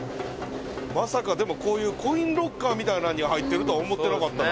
「まさかでもこういうコインロッカーみたいなのに入ってるとは思ってなかったな」